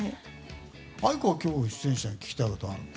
ａｉｋｏは今日出演者に聞きたいことはある？